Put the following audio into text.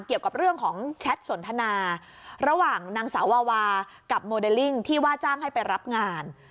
เกี่ยวกับเรื่องของแชทสนทนาระหว่างนางสาววาวากับโมเดลลิ่งที่ว่าจ้างให้ไปรับงาน